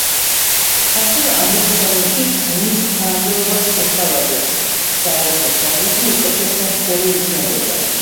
მაშინ ანდერსონი დიკს მის თანამდებობას შესთავაზებს და ეტყვის, რომ იგი უკეთესი მღვდელი იქნებოდა.